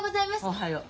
おはよう。